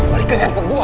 balikin nyanteng gua